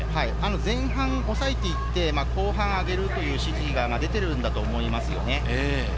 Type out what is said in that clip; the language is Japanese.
前半抑えて行って、後半あげるという指示が出ているんだと思いますよね。